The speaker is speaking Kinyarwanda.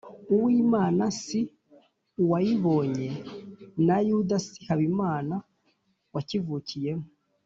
uwimana si uwayibonye, na yuda si habimana wakivukiyemo